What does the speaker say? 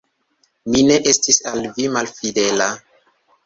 Mi ne estis al vi malfidela.